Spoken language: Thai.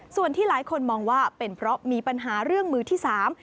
ส่วนที่หลายคนมองว่าเป็นเพราะมีปัญหาเรื่องมือที่สาม